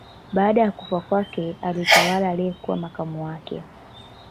Baada ya kufa kwake alitawala aliyekuwa makamu wake